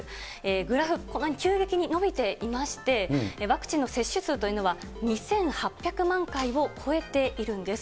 グラフ、このように急激に伸びていまして、ワクチンの接種数というのは２８００万回を超えているんです。